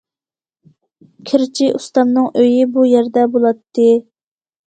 كىرچى ئۇستامنىڭ ئۆيى بۇ يەردە بولاتتى.